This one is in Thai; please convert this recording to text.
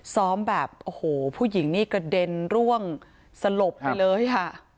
ซ้อมแบบโอ้โหผู้หญิงนี่กระเด็นร่วงสลบไปเลยค่ะ